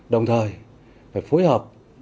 đồng thời phải phối hợp